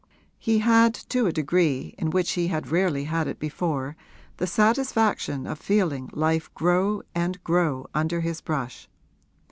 He had to a degree in which he had rarely had it before the satisfaction of feeling life grow and grow under his brush.